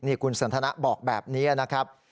คุณสันทนะบอกแบบนี้นะครับ